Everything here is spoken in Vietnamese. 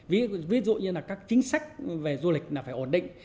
ví dụ như các chính sách về du lịch phải ổn định